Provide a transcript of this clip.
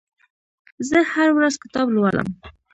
زه هره ورځ کتاب لولم.